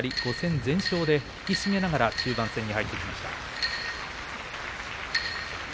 この２人、５戦全勝で引き締めながら中盤戦に入ってきました。